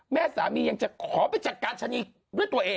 แม่สามียังจะขอไปจัดการชะนีด้วยตัวเอง